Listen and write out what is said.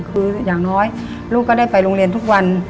คืออย่างน้อยลูกก็ได้ไปโรงเรียนทุกวัน